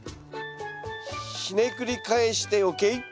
ひねくり返してＯＫ？